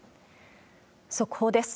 速報です。